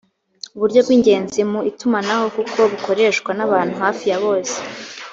uburyo bw ingenzi mu itumanaho kuko bukoreshwa n abantu hafi ya bose